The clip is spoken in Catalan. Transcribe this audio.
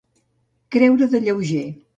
Creure de lleuger.